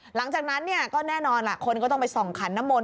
หลังจากนั้นก็แน่นอนคนก็ต้องไปส่องขันน้ำมนต์